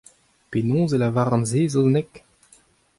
Penaos e lavaran se e saozneg ?